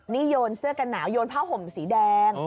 นี่โยนเสื้อกันหนาวโยนผ้าห่มสีแดง